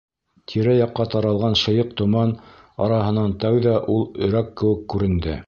Тирә-яҡҡа таралған шыйыҡ томан араһынан тәүҙә ул өрәк кеүек күренде.